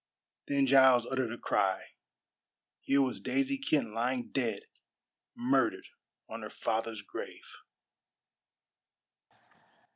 Then Giles uttered a cry. Here was Daisy Kent lying dead murdered on her father's grave!